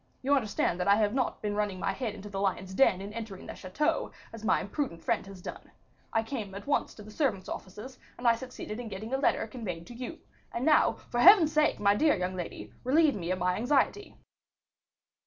You understand that I have not been running my head into the lion's den, in entering the chateau, as my imprudent friend has done; I came at once to the servants' offices, and I succeeded in getting a letter conveyed to you; and now, for Heaven's sake, my dear young lady, relieve me from my anxiety."